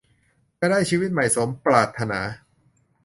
จะได้ชีวิตใหม่สมปรารถนา